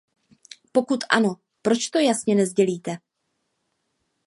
Pokud ano, proč to jasně nesdělíte?